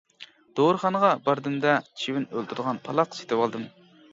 دورىخانىغا باردىم-دە چىۋىن ئۆلتۈرىدىغان پالاق سېتىۋالدىم.